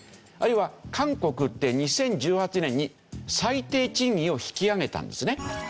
あるいは韓国って２０１８年に最低賃金を引き上げたんですね。